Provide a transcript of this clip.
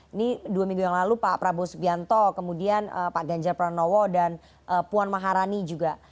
ini dua minggu yang lalu pak prabowo subianto kemudian pak ganjar pranowo dan puan maharani juga